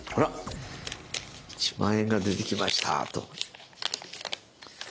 「一万円が出てきました」と。